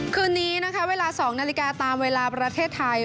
คืนนี้นะคะเวลา๒นาฬิกาตามเวลาประเทศไทย